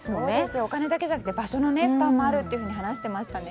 お金だけじゃなくて場所の負担もあると話していましたね。